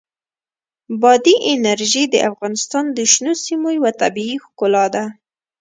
بادي انرژي د افغانستان د شنو سیمو یوه طبیعي ښکلا ده.